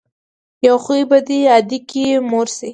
يو خوي به دې ادکې مور شي.